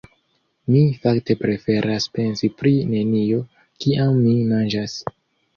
Mi fakte preferas pensi pri nenio, kiam mi manĝas.